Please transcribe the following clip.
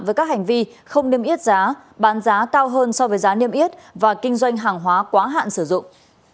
với các hành vi không niêm yết giá bán giá cao hơn so với giá niêm yết và kinh doanh hàng hóa quá hạn sử dụng